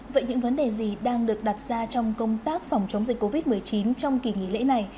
vậy những vấn đề gì đang được đặt ra trong công tác phòng chống dịch covid một mươi chín trong kỳ nghỉ lễ này